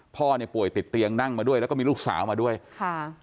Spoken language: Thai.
พ่อเนี่ยป่วยติดเตียงนั่งมาด้วยแล้วก็มีลูกสาวมาด้วยค่ะ